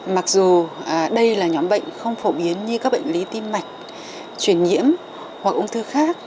mặc dù đây là nhóm bệnh không phổ biến như các bệnh lý tim mạch truyền nhiễm hoặc ung thư khác